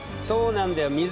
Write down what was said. そうなんだよ。